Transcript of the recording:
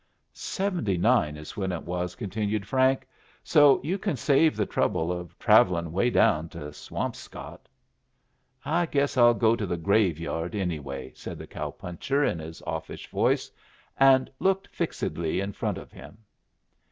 "Seventy nine is when it was," continued Frank. "So you can save the trouble of travelling away down to Swampscott." "I guess I'll go to the graveyard, anyway," said the cow puncher in his offish voice, and looking fixedly in front of him.